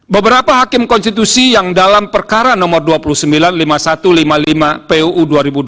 beberapa hakim konstitusi yang dalam perkara nomor dua puluh sembilan lima puluh satu lima puluh lima puu dua ribu dua puluh